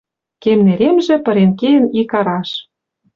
Кем неремжӹ пырен кеен ик араш.